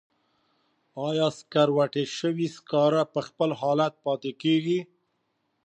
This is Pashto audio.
آیا سکروټې شوي سکاره په خپل حالت پاتې کیږي؟